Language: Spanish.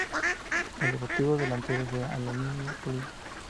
El logotipo delantero es de aluminio pulido.